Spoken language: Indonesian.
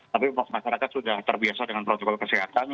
tapi masyarakat sudah terbiasa dengan protokol kesehatan